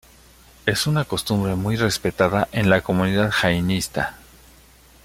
Es una costumbre muy respetada en la comunidad jainista.